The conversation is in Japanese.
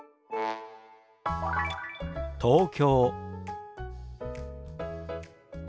「東京」。